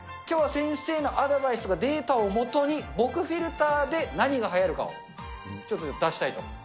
きょうは先生のアドバイスやデータを基に、僕フィルターで何がはやるかをちょっと出したいと。